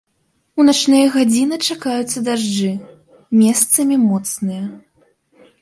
У начныя гадзіны чакаюцца дажджы, месцамі моцныя.